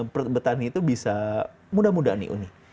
pertani itu bisa mudah mudah nih uni